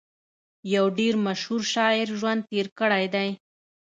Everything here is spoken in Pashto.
يو ډېر مشهور شاعر ژوند تېر کړی دی